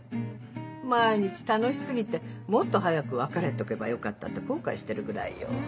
毎日楽し過ぎてもっと早く別れとけばよかったって後悔してるぐらいよ。